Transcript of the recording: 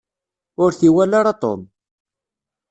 Ur t-iwala ara Tom.